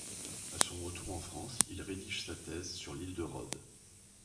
À son retour en France, il rédige sa thèse sur l'île de Rhodes.